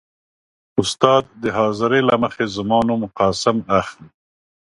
. استاد د حاضرۍ له مخې زما نوم «قاسم» اخلي.